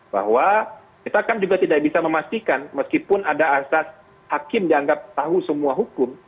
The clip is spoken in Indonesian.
bahwa kita kan juga tidak bisa memastikan meskipun ada asas hakim dianggap tahu semua hukum